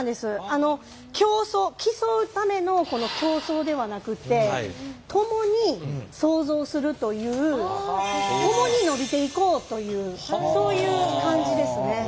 あの競うための競争ではなくって共に創造するという共に伸びていこうというそういう感じですね。